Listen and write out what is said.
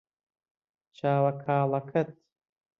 چاوە کاڵەکەت